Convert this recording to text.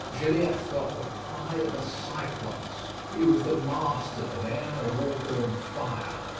Gilliatt felt the pride of a Cyclops: he was the master of air, water, and fire.